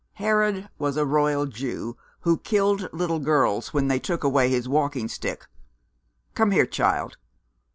"Herod was a Royal Jew, who killed little girls when they took away his walking stick. Come here, child.